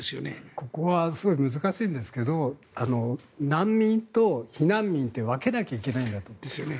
ここは難しいんですが難民と避難民って分けなきゃいけないんだと。